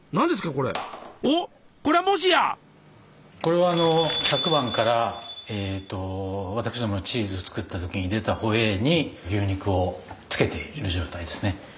これはあの昨晩から私どものチーズ作った時に出たホエーに牛肉を漬けている状態ですね。